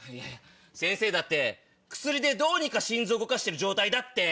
先生だって薬でどうにか心臓を動かしてる状態だって。